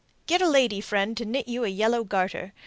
Get a lady friend to knit you a yellow garter.